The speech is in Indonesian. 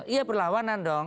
iya berlawanan dong